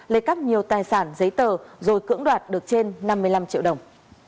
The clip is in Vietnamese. lấy cắp nhiều tài sản giấy tờ rồi cưỡng đoạt được trên năm mươi năm triệu đồng